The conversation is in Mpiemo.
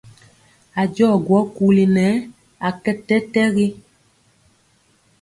A jɔ gwɔ kuli nɛ a kɛ tɛtɛgi.